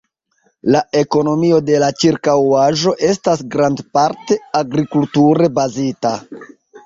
La ekonomio de la ĉirkaŭaĵo estas grandparte agrikulture bazita.